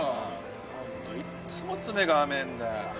ホントいっつも詰めが甘えんだよ。